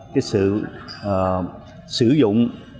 cái sự sử dụng